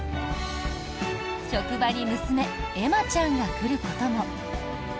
職場に娘・エマちゃんが来ることも。